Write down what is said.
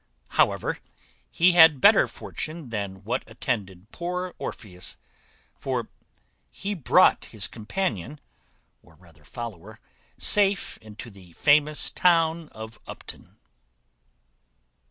However, he had better fortune than what attended poor Orpheus, for he brought his companion, or rather follower, safe into the famous town of Upton.